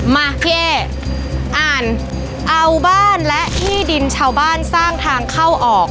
มาพี่เอ๊อ่านเอาบ้านและที่ดินชาวบ้านสร้างทางเข้าออก